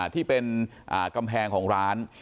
ที่เป็นกำแพงของร้าน